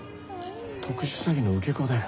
特殊詐欺の受け子だよ。